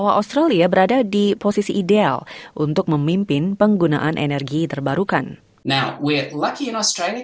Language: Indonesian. karena ada peningkatan bukti bahwa menggunakan gas di rumah kita